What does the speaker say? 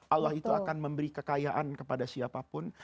allah itu akan memberi kekayaan kepada siapapun